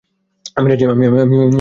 আমি রাজি, বাবা।